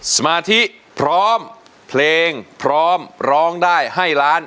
สมาธิพร้อมเพลงพร้อมร้องได้ให้ล้าน